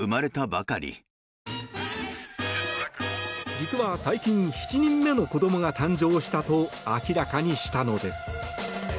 実は最近７人目の子どもが誕生したと明らかにしたのです。